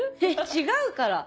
違うから。